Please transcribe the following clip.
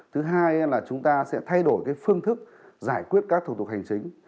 thứ hai là chúng ta sẽ thay đổi phương thức giải quyết các thủ tục hành chính